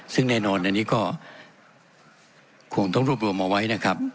ซึ่งแน่นอนอันนี้ก็คงต้องรวบรวมเอาไว้นะครับ